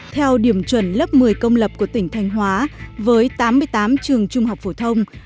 theo điểm chuẩn lớp một mươi công lập của tỉnh thanh hóa với tám mươi tám trường trung học phổ thông